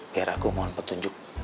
biar aku mohon petunjuk